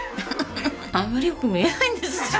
あんまりよく見えないんです実は。